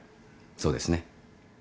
そうですね。